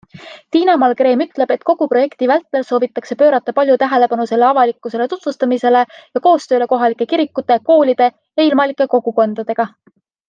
Tiina-Mall Kreem ütleb, et kogu projekti vältel soovitakse pöörata palju tähelepanu selle avalikkusele tutvustamisele ja koostööle kohalike kirikute, koolide ja ilmalike kogukondadega.